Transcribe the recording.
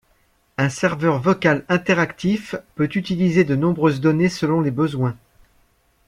Un serveur vocal interactif peut utiliser de nombreuses données selon les besoins.